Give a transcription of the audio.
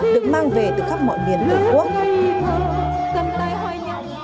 được mang về từ khắp mọi miền nước quốc